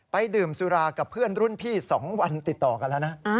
ดื่มสุรากับเพื่อนรุ่นพี่๒วันติดต่อกันแล้วนะ